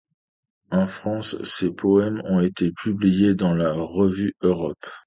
En France ses poèmes ont été publiés dans la revue Europe.